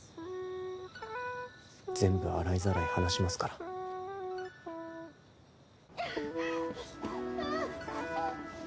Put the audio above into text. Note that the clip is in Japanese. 全部洗いざらい話しますからうっ痛い。